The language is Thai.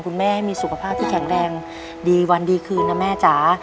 คุณแม่ให้มีสุขภาพที่แข็งแรงดีวันดีคืนนะแม่จ๋า